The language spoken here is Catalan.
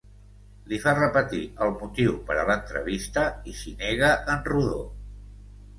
Li fa repetir el motiu per a l'entrevista i s'hi nega en rodó.